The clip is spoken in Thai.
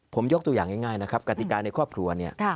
ผมยกตัวอย่างง่ายนะครับกติกาในครอบครัวเนี่ย